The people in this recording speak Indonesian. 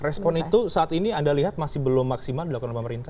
respon itu saat ini anda lihat masih belum maksimal dilakukan oleh pemerintah